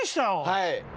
はい。